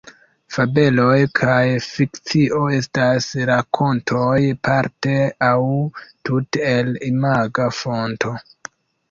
Fabeloj kaj fikcio estas rakontoj parte aŭ tute el imaga fonto.